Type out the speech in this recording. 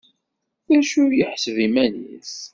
D acu i yeḥseb iman-is?